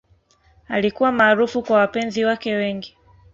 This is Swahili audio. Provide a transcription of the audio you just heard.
Alikuwa maarufu kwa wapenzi wake wengi.